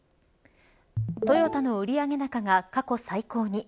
トヨタの売上高が過去最高に。